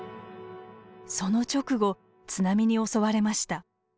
その直後津波に襲われました。